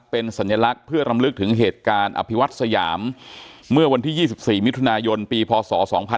เพื่อรำลึกถึงเหตุการณ์อภิวัติสยามเมื่อวันที่๒๔มิถุนายนปีพศ๒๔๗๕